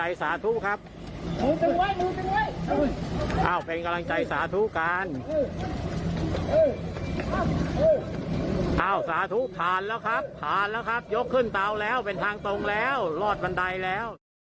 ยกขึ้นเตาแล้วเป็นทางตรงแล้วรอดบันไดแล้ว